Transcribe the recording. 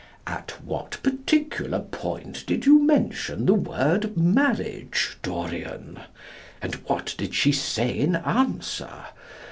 "At what particular point did you mention the word marriage, Dorian? and what did she say in answer?